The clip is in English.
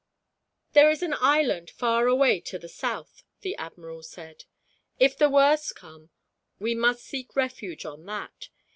"There is an island far away to the south," the admiral said. "If the worst come, we must seek refuge on that.